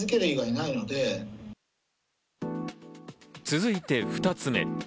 続いて２つ目。